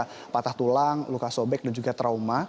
ada patah tulang luka sobek dan juga trauma